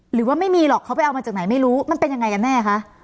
หรือว่าไม่มีหรอกเขาไปเอามาจากไหนไม่รู้มันเป็นยังไงกันแน่คะ